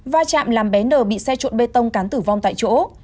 va chạm làm bé đờ bị xe trộn bê tông cán tử vong tại chỗ